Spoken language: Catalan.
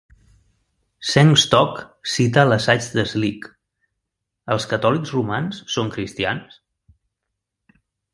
Sengstock cita l'assaig de Slick Els catòlics romans són cristians?